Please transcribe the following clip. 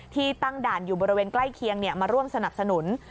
ตั้งด่านอยู่บริเวณใกล้เคียงมาร่วมสนับสนุน